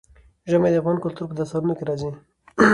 ژمی د افغان کلتور په داستانونو کې راځي.